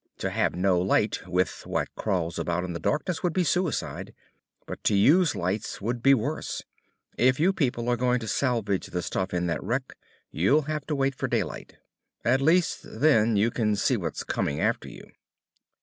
"To have no light, with what crawls about in the darkness, would be suicide. But to use lights would be worse. If you people are going to salvage the stuff in that wreck, you'll have to wait for daylight. At least then you can see what's coming after you."